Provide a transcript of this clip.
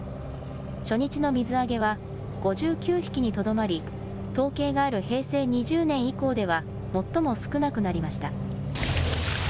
初日の水揚げは、５９匹にとどまり、統計がある平成２０年以降では最も少なくなりました。